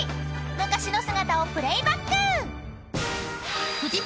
［昔の姿をプレーバック！］